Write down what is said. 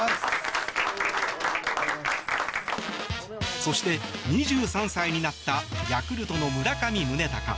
そして、２３歳になったヤクルトの村上宗隆。